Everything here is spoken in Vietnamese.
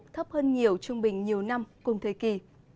thấp hơn nhiều trung bình nhiều năm cùng thời kỳ